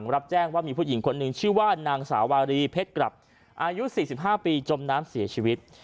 รับแจ้งว่ามีผู้หญิงคนหนึ่งชื่อว่านางสาวารีเพชรกลับอายุ๔๕ปีจมน้ำเสียชีวิต